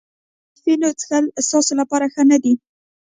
د کافینو څښل ستاسو لپاره ښه نه دي.